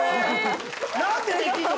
なんでできんの？